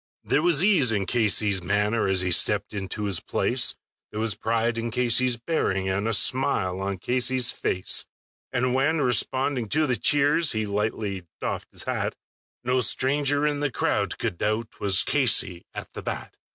There was ease in Casey's manner as he stepped into his place, There was pride in Casey's bearing, and a smile on Casey's face; And when, responding to the cheers, he lightly doffed his hat, No stranger in the crowd could doubt 'twas Casey at the bat.